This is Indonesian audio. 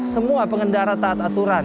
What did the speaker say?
semua pengendara taat aturan